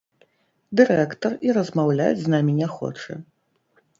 Дырэктар і размаўляць з намі не хоча.